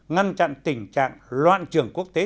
ngăn chặn tình trạng loạn trường quốc tế